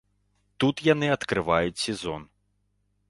Тут яны адкрываюць сезон.